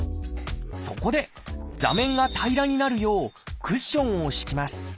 そこで座面が平らになるようクッションを敷きます。